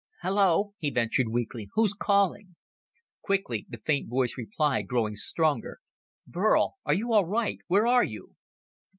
"Hello," he ventured weakly. "Who's calling?" Quickly the faint voice replied, growing stronger. "Burl, are you all right? Where are you?"